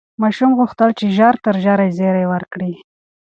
ماشوم غوښتل چې ژر تر ژره زېری ورکړي.